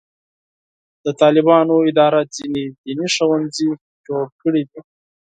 د طالبانو اداره ځینې دیني ښوونځي جوړ کړي دي.